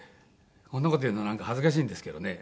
こんな事言うのなんか恥ずかしいんですけどね。